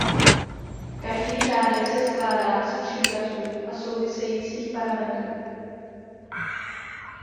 Každý řádek se skládá z příkazu a souvisejících parametrů.